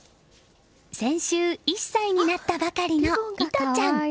先週、１歳になったばかりの惟飛ちゃん。